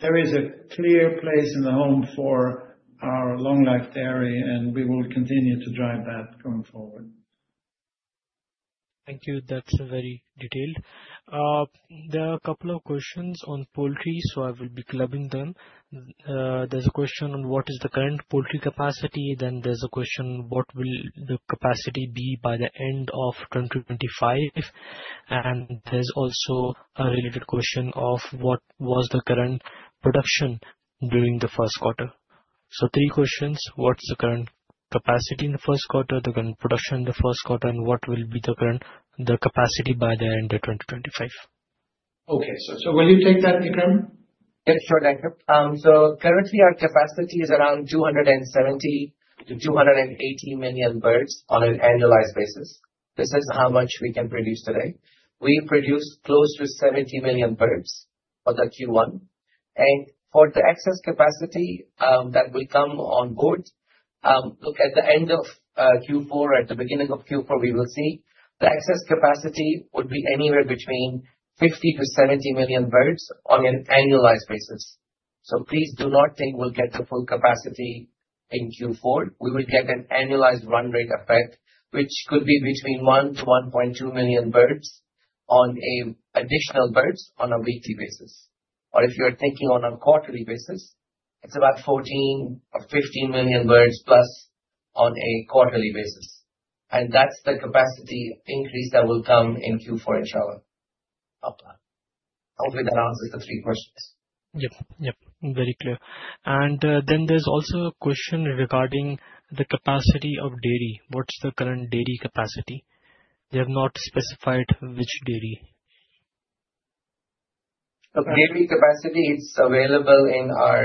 C: There is a clear place in the home for our long life dairy and we will continue to drive that going forward.
A: Thank you. That is very detailed. There are a couple of questions on poultry, so I will be clubbing them. There is a question on what is the current poultry capacity. Then there is a question, what will the capacity be by the end of 2025? And there is also a related question of what was the current production during the first quarter. So three questions. What's the current capacity in the first quarter, the current production in the first quarter, and what will be the current, the capacity by the end of 2025?
C: Okay. Will you take that, Ikram?
D: Yep. Sure, Danko. Currently our capacity is around 270 million-280 million birds on an annualized basis. This is how much we can produce today. We produce close to 70 million birds for the Q1. For the excess capacity that will come on board, look at the end of Q4 or at the beginning of Q4, we will see the excess capacity would be anywhere between 50 million-70 million birds on an annualized basis. Please do not think we'll get the full capacity in Q4. We will get an annualized run rate effect, which could be between one to 1.2 million additional birds on a weekly basis. If you're thinking on a quarterly basis, it's about 14 million or 15 million birds plus on a quarterly basis. That's the capacity increase that will come in Q4 inshallah. Hopefully that answers the three questions.
A: Yep. Yep. Very clear. There's also a question regarding the capacity of dairy. What's the current dairy capacity? They have not specified which dairy.
D: Okay. Dairy capacity, it's available in our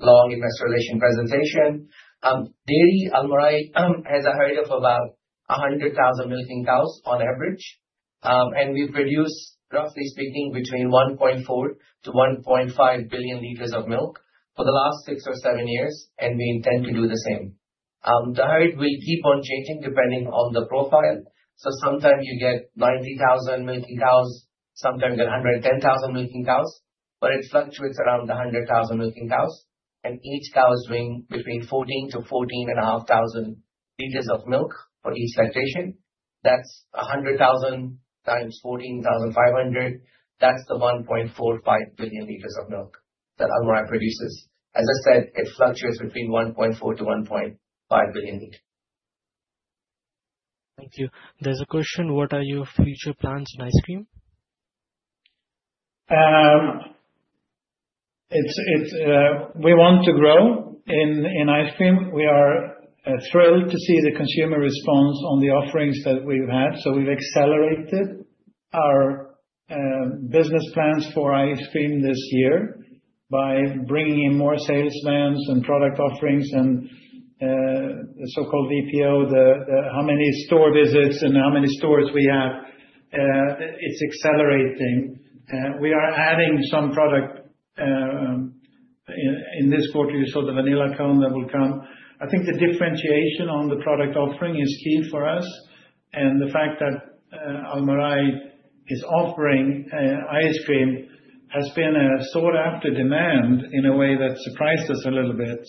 D: long investor relation presentation. Dairy, Almarai has a herd of about 100,000 milking cows on average. We produce, roughly speaking, between 1.4 L billion-1.5 billion L of milk for the last six or seven years, and we intend to do the same. The herd will keep on changing depending on the profile. Sometimes you get 90,000 milking cows, sometimes you get 110,000 milking cows, but it fluctuates around the 100,000 milking cows. Each cow is doing between 14,000 L-14,500 L of milk for each lactation. That is 100,000 times 14,500. That is the 1.45 L billion of milk that Almarai produces. As I said, it fluctuates between 1.4 L billion-1.5 L billion.
A: Thank you. There is a question. What are your future plans in ice cream?
C: It is, it is, we want to grow in ice cream. We are thrilled to see the consumer response on the offerings that we have had. We have accelerated our business plans for ice cream this year by bringing in more salesmen and product offerings and the so-called VPO, the how many store visits and how many stores we have. It is accelerating. We are adding some product in this quarter. You saw the vanilla cone that will come. I think the differentiation on the product offering is key for us. The fact that Almarai is offering ice cream has been a sought-after demand in a way that surprised us a little bit.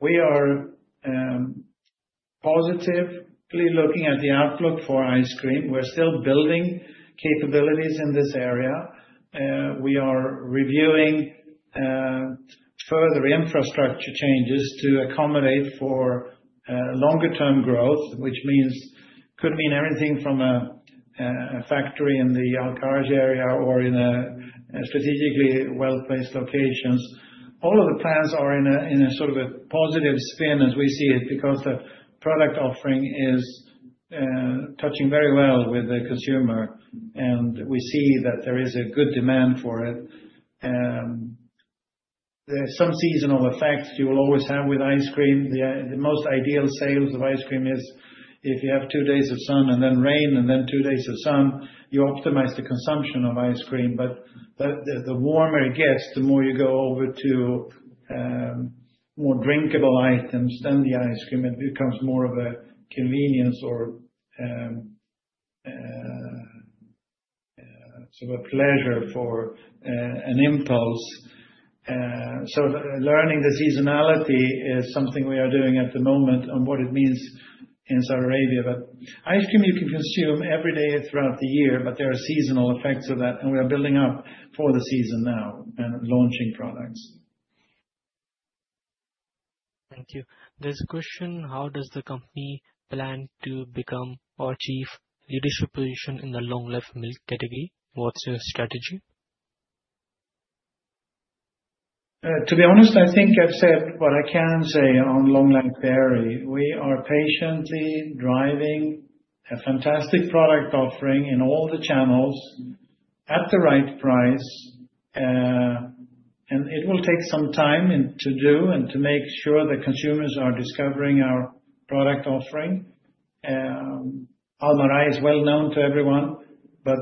C: We are positively looking at the outlook for ice cream. We're still building capabilities in this area. We are reviewing further infrastructure changes to accommodate for longer-term growth, which could mean everything from a factory in the Al-Kharj area or in strategically well-placed locations. All of the plans are in a sort of a positive spin as we see it because the product offering is touching very well with the consumer and we see that there is a good demand for it. There's some seasonal effects you will always have with ice cream. The most ideal sales of ice cream is if you have two days of sun and then rain and then two days of sun, you optimize the consumption of ice cream. The warmer it gets, the more you go over to more drinkable items, then the ice cream, it becomes more of a convenience or sort of a pleasure for an impulse. Learning the seasonality is something we are doing at the moment on what it means in Saudi Arabia. Ice cream you can consume every day throughout the year, but there are seasonal effects of that and we are building up for the season now and launching products.
A: Thank you. There's a question. How does the company plan to become or achieve leadership position in the long life milk category? What's your strategy?
C: To be honest, I think I've said what I can say on long life dairy. We are patiently driving a fantastic product offering in all the channels at the right price, and it will take some time to do and to make sure the consumers are discovering our product offering. Almarai is well known to everyone, but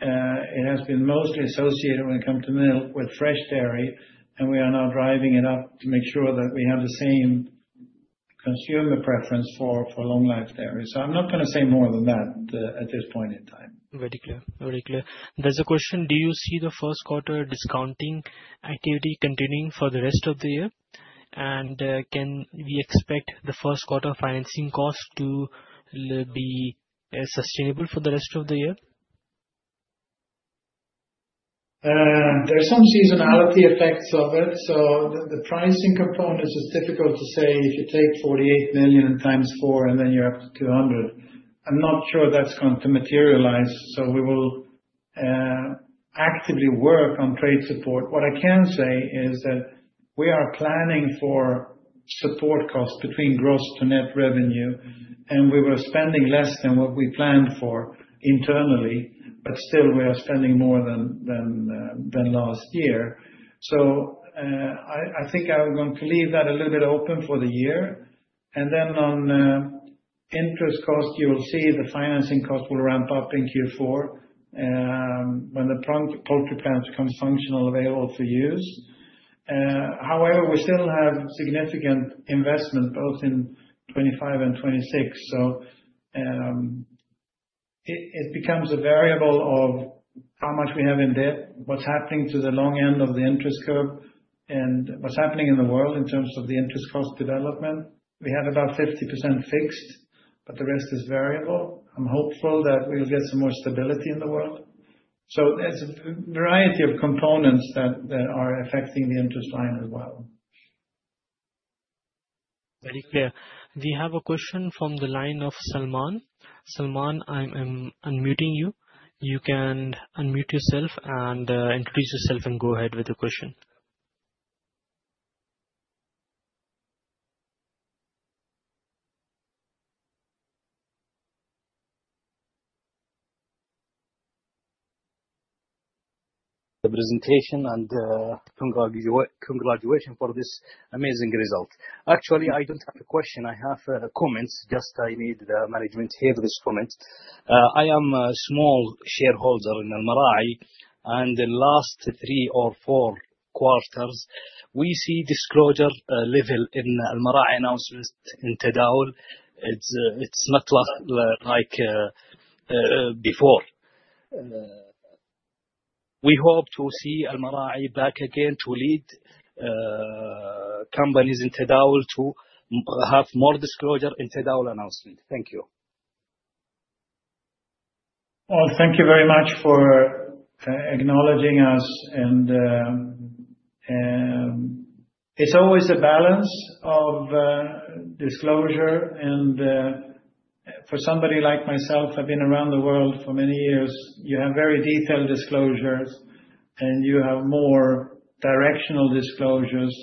C: it has been mostly associated when it comes to milk with fresh dairy, and we are now driving it up to make sure that we have the same consumer preference for long life dairy. I am not going to say more than that at this point in time. Very clear.
A: Very clear. There's a question. Do you see the first quarter discounting activity continuing for the rest of the year? And, can we expect the first quarter financing cost to be sustainable for the rest of the year?
C: There are some seasonality effects of it. The pricing components are difficult to say. If you take 48 million times four and then you are up to 200 million, I am not sure that is going to materialize. We will actively work on trade support. What I can say is that we are planning for support costs between gross to net revenue and we were spending less than what we planned for internally, but still we are spending more than last year. I think I am going to leave that a little bit open for the year. On interest cost, you will see the financing cost will ramp up in Q4, when the poultry plants become functional, available for use. However, we still have significant investment both in 2025 and 2026. It becomes a variable of how much we have in debt, what's happening to the long end of the interest curve, and what's happening in the world in terms of the interest cost development. We had about 50% fixed, but the rest is variable. I'm hopeful that we'll get some more stability in the world. There is a variety of components that are affecting the interest line as well.
A: Very clear. We have a question from the line of Salman. Salman, I'm unmuting you. You can unmute yourself and introduce yourself and go ahead with the question.
H: The presentation and congratulations for this amazing result. Actually, I don't have a question. I have comments. Just I need the management to hear this comment. I am a small shareholder in Almarai and the last three or four quarters, we see disclosure level in Almarai announcements in Tadawul. It's not like before. We hope to see Almarai back again to lead companies in Tadawul to have more disclosure in Tadawul announcement. Thank you.
C: Thank you very much for acknowledging us and it's always a balance of disclosure and, for somebody like myself, I've been around the world for many years. You have very detailed disclosures and you have more directional disclosures.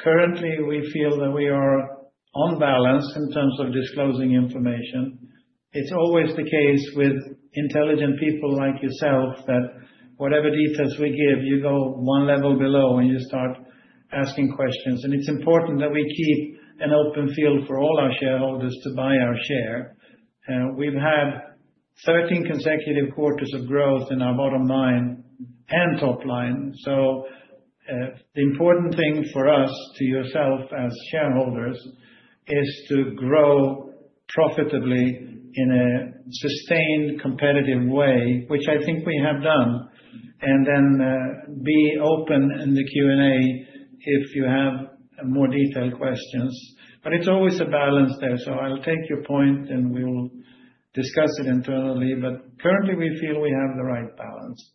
C: Currently we feel that we are on balance in terms of disclosing information. It's always the case with intelligent people like yourself that whatever details we give, you go one level below and you start asking questions. It's important that we keep an open field for all our shareholders to buy our share. We've had 13 consecutive quarters of growth in our bottom line and top line. The important thing for us, to yourself as shareholders, is to grow profitably in a sustained competitive way, which I think we have done. Be open in the Q&A if you have more detailed questions. It's always a balance there. I'll take your point and we will discuss it internally. Currently we feel we have the right balance.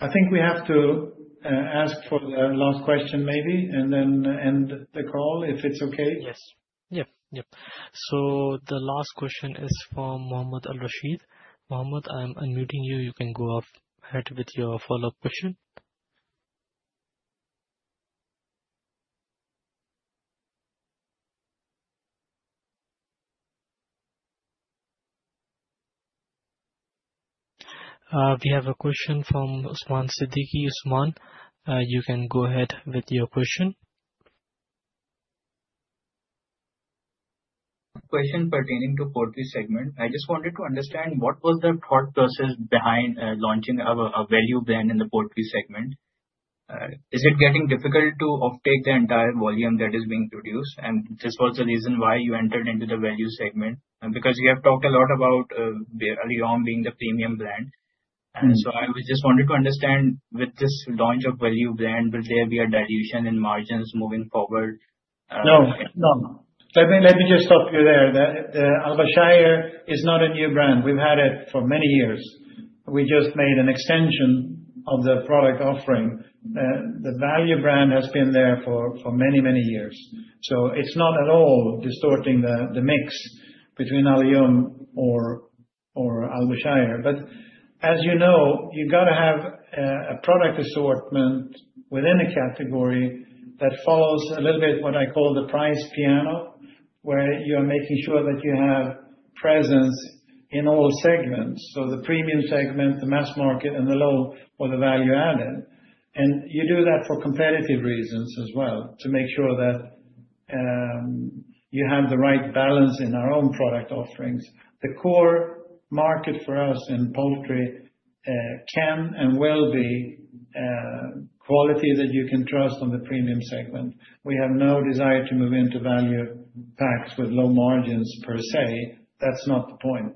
C: I think we have to ask for the last question maybe and then end the call if it's okay.
A: Yes. Yep. Yep. The last question is from Mohammed Al-Rashid. Mohammed, I'm unmuting you. You can go ahead with your follow-up question. We have a question from Usman Siddiqui. Usman, you can go ahead with your question.
I: Question pertaining to poultry segment. I just wanted to understand what was the thought process behind launching a value brand in the poultry segment. Is it getting difficult to offtake the entire volume that is being produced? This was the reason why you entered into the value segment, because you have talked a lot about ALYOUM being the premium brand. I just wanted to understand with this launch of value brand, will there be a dilution in margins moving forward?
C: No, no. Let me just stop you there. The Al-Bashayr is not a new brand. We've had it for many years. We just made an extension of the product offering. The value brand has been there for many, many years. It is not at all distorting the mix between ALYOUM or Al-Bashayr. As you know, you've got to have a product assortment within a category that follows a little bit what I call the price piano, where you are making sure that you have presence in all segments. The premium segment, the mass market, and the low or the value added. You do that for competitive reasons as well, to make sure that you have the right balance in our own product offerings. The core market for us in poultry can and will be quality that you can trust on the premium segment. We have no desire to move into value packs with low margins per se. That's not the point.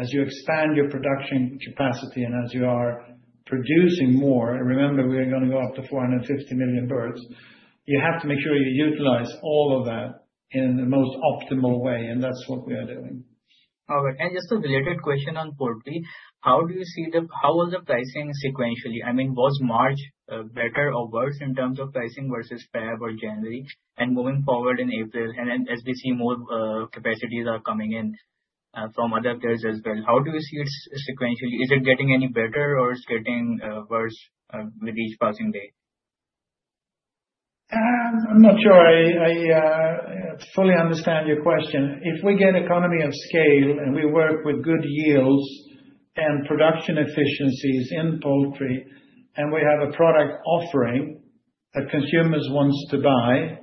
C: As you expand your production capacity and as you are producing more, remember we are going to go up to 450 million birds, you have to make sure you utilize all of that in the most optimal way. That is what we are doing.
I: All right. Just a related question on poultry. How do you see the, how was the pricing sequentially? I mean, was March better or worse in terms of pricing versus February or January and moving forward in April? As we see more capacities are coming in from other players as well, how do you see it sequentially? Is it getting any better or is it getting worse with each passing day?
C: I am not sure. I fully understand your question. If we get economy of scale and we work with good yields and production efficiencies in poultry and we have a product offering that consumers want to buy,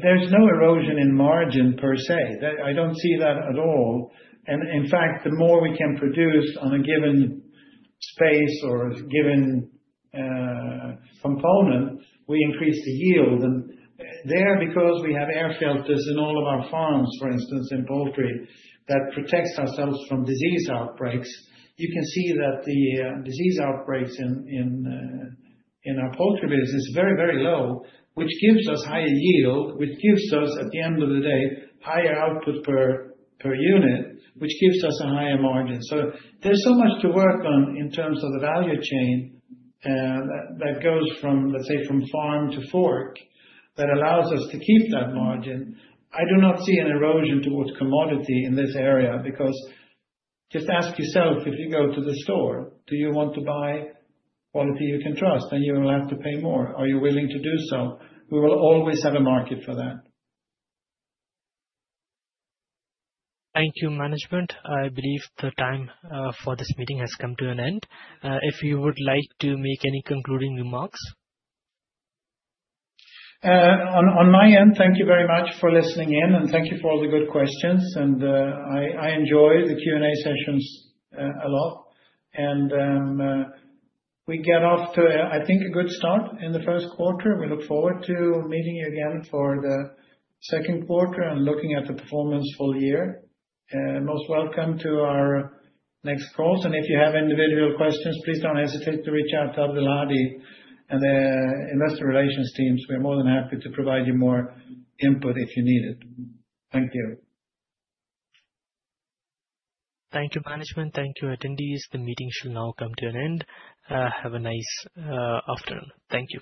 C: there's no erosion in margin per se. I don't see that at all. In fact, the more we can produce on a given space or given component, we increase the yield. There, because we have air filters in all of our farms, for instance, in poultry, that protects ourselves from disease outbreaks, you can see that the disease outbreaks in our poultry business is very, very low, which gives us higher yield, which gives us, at the end of the day, higher output per unit, which gives us a higher margin. There is so much to work on in terms of the value chain that goes from, let's say, from farm to fork that allows us to keep that margin. I do not see an erosion towards commodity in this area because just ask yourself, if you go to the store, do you want to buy quality you can trust and you will have to pay more? Are you willing to do so? We will always have a market for that.
B: Thank you, management. I believe the time for this meeting has come to an end. If you would like to make any concluding remarks.
C: On my end, thank you very much for listening in and thank you for all the good questions. I enjoy the Q&A sessions a lot. We get off to, I think, a good start in the first quarter. We look forward to meeting you again for the second quarter and looking at the performance full year. Most welcome to our next calls. If you have individual questions, please do not hesitate to reach out to Abdulhadi Alamri and the investor relations teams. We are more than happy to provide you more input if you need it. Thank you.
B: Thank you, management. Thank you, attendees. The meeting shall now come to an end. Have a nice afternoon. Thank you.